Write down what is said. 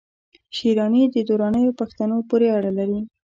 شېراني د درانیو پښتنو پوري اړه لري